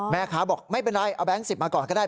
แม่ค้าบอกไม่เป็นไรเอาแก๊ง๑๐มาก่อนก็ได้